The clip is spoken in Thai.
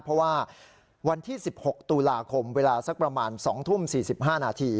เพราะว่าวันที่๑๖ตุลาคมเวลาสักประมาณ๒ทุ่ม๔๕นาที